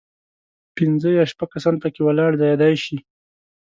پنځه یا شپږ کسان په کې ولاړ ځایېدای شي.